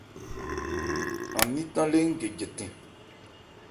An ní tan lé ń gɛ jɛtɛn.